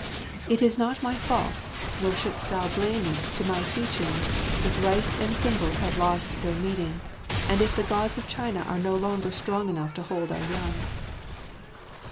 It is not my fault, nor shouldst thou blame it to my teaching if rites and symbols have lost their meaning, and if the Gods of China are no longer strong enough to hold our young.